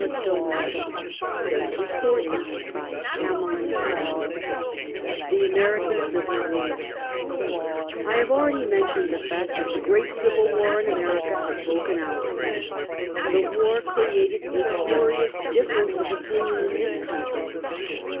CHAPTER XIX THE AMERICAN CIVIL WAR I HAVE already mentioned the fact that the great Civil War in America had broken out. The war created a curious difference of opinion in this country.